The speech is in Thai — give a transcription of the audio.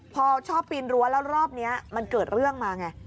พอชอบปีนรั้วแล้วรอบนี้มันเกิดเรื่องมาไง